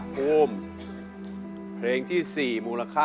ถ้าพร้อมอินโทรเพลงที่สี่มาเลยครับ